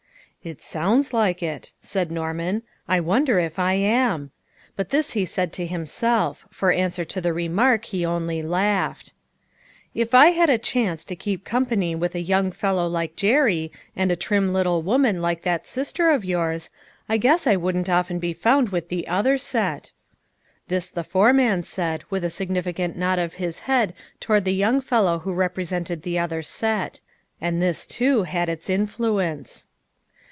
" It sounds like it," said Norman. " I wonder if I am?" But this he said to himself; for answer to the remark, he only laughed. " If I had a chance to keep company with a young fellow like Jerry, and a trim little woman like that sister of yours, I guess I wouldn't often be found with the other set." This the foreman said, with a significant nod of his head toward the young fellow who repre A COMPLETE SUCCESS. 207 sented the other set." And this, too, had its influence.